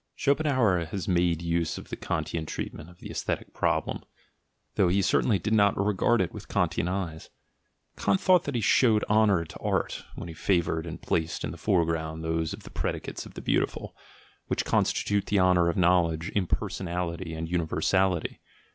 Schopenhauer has made use of the Kantian treatm?nt of the aesthetic problem — though he certainly did not re gard it with the Kantian eyes. Kant thought that he showed honour to art when he favoured and placed in the foreground those of the predicates of the beautiful, which ASCETIC IDEALS 103 constitute the honour of knowledge: impersonality and universality.